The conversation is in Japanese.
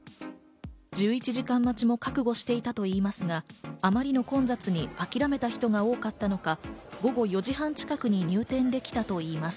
１１時間待ちも覚悟していたといいますが、あまりの混雑に諦めた人が多かったのか午後４時半近くに入店できたといいます。